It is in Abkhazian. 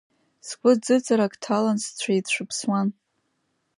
Сгәы ӡыӡарак ҭалан сцәеицәыԥсуан.